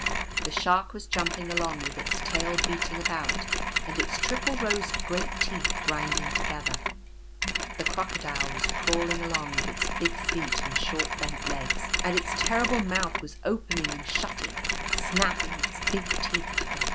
The Shark was jumping along, with its tail beating about and its triple rows of great teeth grinding together. The Crocodile was crawling along with its big feet and short bent legs ; and its terrible mouth was opening and shutting, snapping its big teeth together.